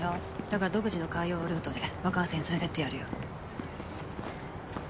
だから独自の海洋ルートでバカンスに連れてってやるよ。